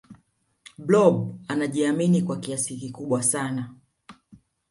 blob anajiamini kwa kiasi kikubwa sana